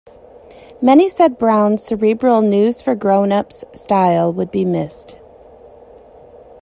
Many said Brown's cerebral "news for grown-ups" style would be missed.